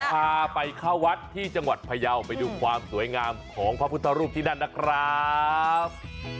พาไปเข้าวัดที่จังหวัดพยาวไปดูความสวยงามของพระพุทธรูปที่นั่นนะครับ